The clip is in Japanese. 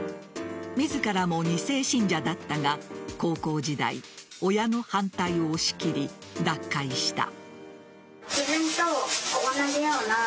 自らも２世信者だったが高校時代親の反対を押し切り、脱会した。